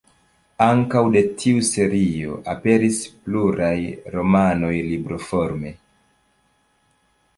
Ankaŭ de tiu serio aperis pluraj romanoj libroforme.